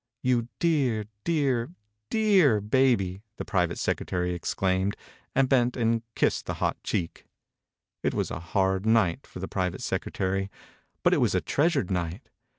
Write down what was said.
"You dear, dear, dear babyl" the private secretary exclaimed, and bent and kissed the hot cheek. It was a hard night for the private secretary but it was a treasured night.